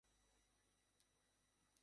ও কি তোমাকে বিয়ে করবে?